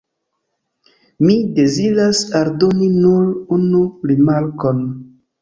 Mi deziras aldoni nur unu rimarkon.